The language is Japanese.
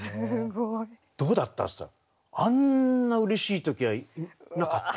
「どうだった？」って言ったら「あんなうれしい時はなかった」って言ってました。